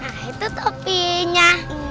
nah itu topinya